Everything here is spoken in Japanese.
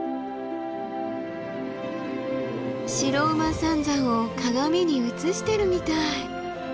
白馬三山を鏡に映してるみたい。